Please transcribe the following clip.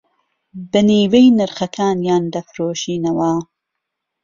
بە نیوەی نرخەکانیان دەفرۆشینەوە